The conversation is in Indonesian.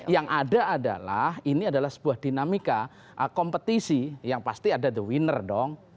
yang ada adalah ini adalah sebuah dinamika kompetisi yang pasti ada the winner dong